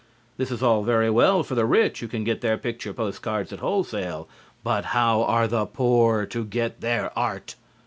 This is all very well for the rich who can get their picture post cards at wholesale, but how are the poor to get their art?